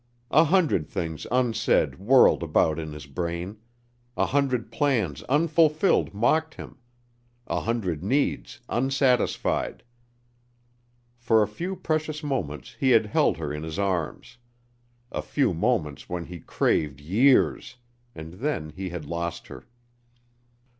A hundred things unsaid whirled about in his brain; a hundred plans unfulfilled mocked him; a hundred needs unsatisfied. For a few precious moments he had held her in his arms, a few moments when he craved years, and then he had lost her.